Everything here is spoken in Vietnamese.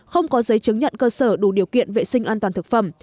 không có giấy chứng nhận cơ sở đủ điều kiện vệ sinh an toàn thực phẩm